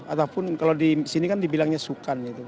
ataupun kalau di sini kan dibilangnya sukan gitu